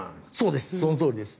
そのとおりです。